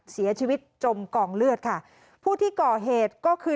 เสียชีวิตจมกล่องเลือดค่ะผู้ที่ก่อเหตุก็คือ